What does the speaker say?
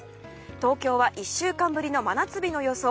東京は１週間ぶりの真夏日の予想。